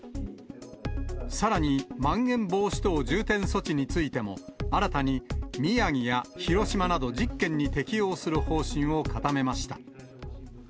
さらにまん延防止等重点措置についても、新たに宮城や広島など１０県に適用する方針を固めました。